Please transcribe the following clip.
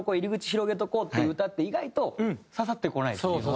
広げておこうっていう歌って意外と刺さってこないっていうのは。